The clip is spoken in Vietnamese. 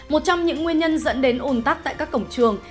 một trong những nguyên nhân dẫn đến ủn tắc tại các cổng trường